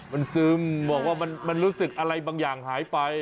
มันซึมบอกว่ามันรู้สึกอะไรบางอย่างหายไป